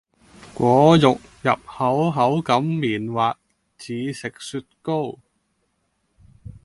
果肉入口口感棉滑似食雪糕